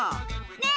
ねえ